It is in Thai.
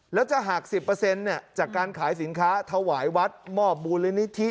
แล้วจะหัก๑๐จากการขายสินค้าถวายวัดมอบมูลนิธิ